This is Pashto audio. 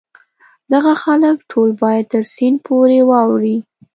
دغه خلک ټول باید تر سیند پورې واوړي.